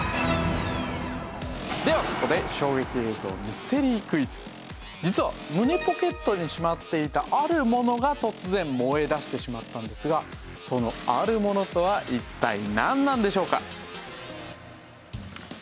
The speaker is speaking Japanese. ではここで実は胸ポケットにしまっていたあるものが突然燃えだしてしまったんですがそのあるものとは一体なんなんでしょうか？